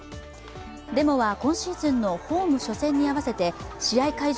デモは今シーズンのホーム初戦に合わせて試合会場